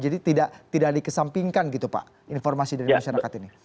jadi tidak dikesampingkan gitu pak informasi dari masyarakat ini